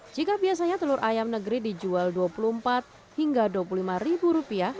jika biasanya telur ayam negeri dijual rp dua puluh empat hingga rp dua puluh lima